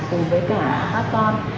cùng với cả ba con